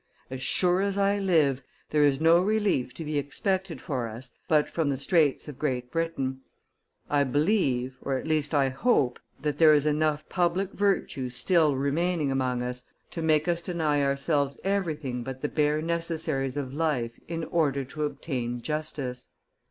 As sure as I live, there is no relief to be expected for us but from the straits of Great Britain. I believe, or at least I hope, that there is enough public virtue still remaining among us to make us deny ourselves everything but the bare necessaries of life in order to obtain justice.